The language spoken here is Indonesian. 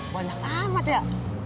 banyak amat ya